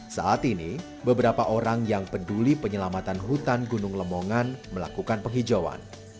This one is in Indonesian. saat ini beberapa orang yang peduli penyelamatan hutan gunung lemongan melakukan penghijauan